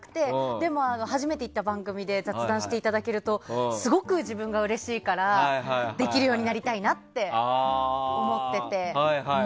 でも初めて行った番組で雑談していただけるとすごく自分がうれしいからできるようになりたいなって思ってて。